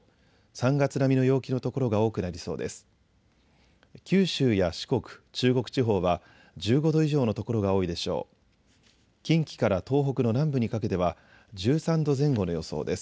３月並みの陽気の所が多くなりそうです。